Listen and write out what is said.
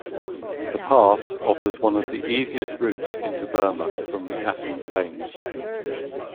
The pass offers one of the easiest routes into Burma from the Assam plains.